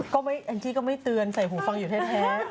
ก็ไม่อันที่ก็ไม่เตือนใส่หูฟังอยู่แทบ